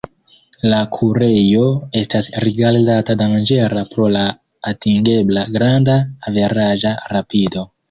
La kurejo estas rigardata danĝera pro la atingebla granda averaĝa rapido.